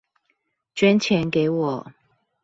捐錢給我